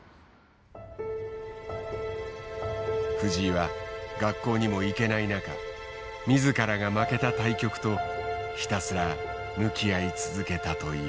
藤井は学校にも行けない中自らが負けた対局とひたすら向き合い続けたという。